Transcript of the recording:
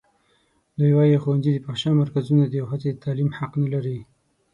دوی وايي ښوونځي د فحشا مرکزونه دي او ښځې د تعلیم حق نه لري.